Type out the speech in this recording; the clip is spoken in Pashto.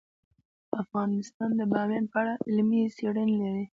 افغانستان د بامیان په اړه علمي څېړنې لري.